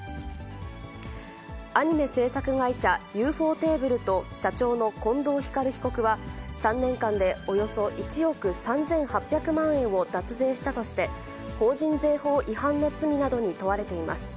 アニメ制作会社、ユーフォーテーブルと社長の近藤光被告は３年間でおよそ１億３８００万円を脱税したとして、法人税法違反の罪などに問われています。